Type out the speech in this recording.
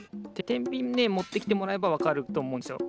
てんびんねもってきてもらえばわかるとおもうんですよ。